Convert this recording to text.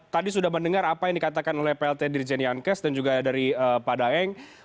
tadi sudah mendengar apa yang dikatakan oleh plt dirjen yankes dan juga dari pak daeng